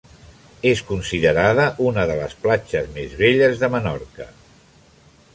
És considerada una de les platges més belles de Menorca.